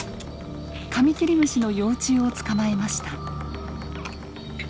カミキリムシの幼虫を捕まえました。